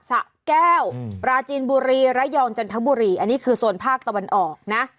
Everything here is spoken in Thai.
สะแก้วปราจีนบุรีระยองจันทบุรีอันนี้คือโซนภาคตะวันออกนะ